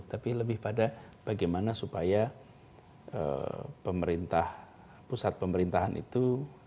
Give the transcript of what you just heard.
tapi lebih pada bagaimana supaya pemerintah pusat pemerintahan itu